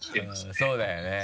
そうだよね。